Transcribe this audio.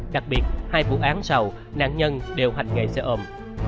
đặc biệt hai vụ án sau nạn nhân đều hành nghề xe ôm